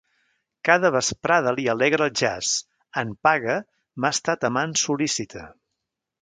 Cada vesprada li alegre el jaç. En paga, m'ha estat amant sol·lícita.